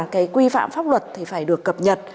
cái quy phạm pháp luật thì phải được cập nhật